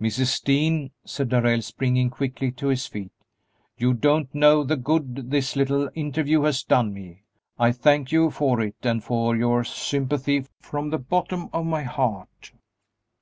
"Mrs. Dean," said Darrell, springing quickly to his feet, "you don't know the good this little interview has done me! I thank you for it and for your sympathy from the bottom of my heart."